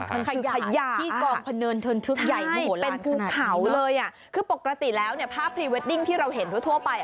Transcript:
มันคือขยะค่ะใช่เป็นภูเขาเลยอะคือปกติแล้วเนี่ยภาพพรีเวดดิ้งที่เราเห็นทั่วไป